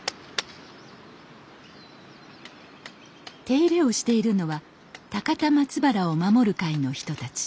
手入れをしているのは「高田松原を守る会」の人たち。